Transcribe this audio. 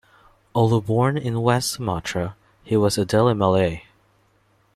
Although born in West Sumatra, he was a Deli Malay.